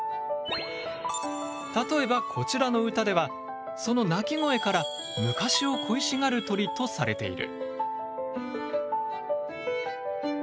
例えばこちらの歌ではその鳴き声から昔を恋しがる鳥とされている。